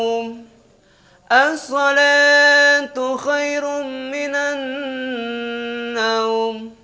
assalatu khairun minannaw